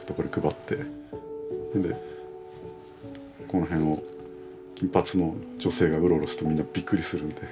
この辺を金髪の女性がうろうろするとみんなびっくりするので。